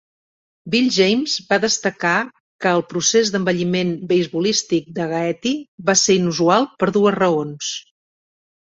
Bill James va destacar que el procés d'envelliment beisbolístic de Gaetti va ser inusual per dues raons.